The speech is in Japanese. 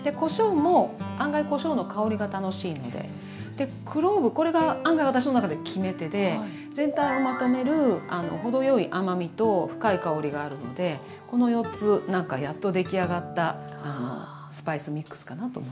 でクローブこれが案外私の中で決め手で全体をまとめる程よい甘みと深い香りがあるのでこの４つなんかやっと出来上がったスパイスミックスかなと思ってます。